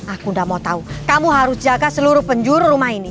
aku tidak mau tahu kamu harus jaga seluruh penjuru rumah ini